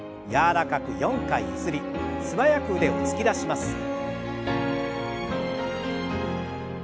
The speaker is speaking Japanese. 柔らかく４回ゆすり素早く腕を突き出します。